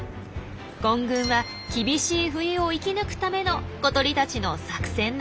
混群は厳しい冬を生き抜くための小鳥たちの作戦なんですよ。